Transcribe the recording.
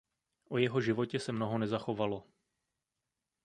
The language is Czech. O jeho životě se mnoho nezachovalo.